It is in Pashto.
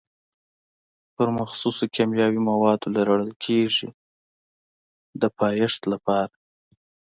پر مخصوصو کیمیاوي موادو لړل کېږي د پایښت لپاره.